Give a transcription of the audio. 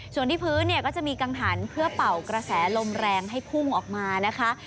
ส่วนที่พื้นเนี่ยก็จะมีกังหันเพื่อเป่ากระแสลมแรงให้พุ่งออกมานะคะ